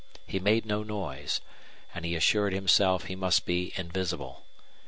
He made no noise, and he assured himself he must be invisible.